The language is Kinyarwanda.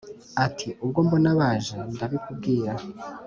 Ati : Ubwo mbona baje ndabikubwira